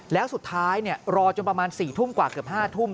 แล้วสุดท้ายรอจนประมาณ๔ทุ่มกว่าเกือบ๕ทุ่ม